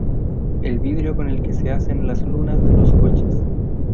el vidrio con el que se hacen las lunas de los coches,